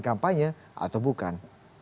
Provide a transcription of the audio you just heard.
kampanye atau bukan